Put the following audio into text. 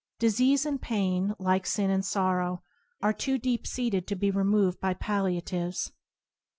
Disease and pain, like sin and sorrow, are too deep seated to be removed by pal liatives.